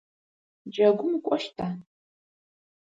Джэгум укӏощта?